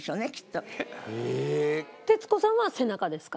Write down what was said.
徹子さんは背中ですか？